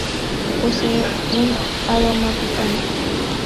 Posee un aroma picante.